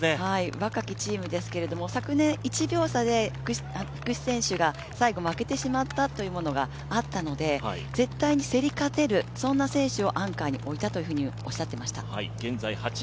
若きチームですけれども、昨年、１秒差で福士選手が最後、負けてしまったというものがあったので、絶対に競り勝てる選手をアンカーに置いたとおっしゃっていました。